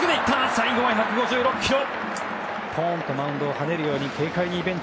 最後は１５６キロ！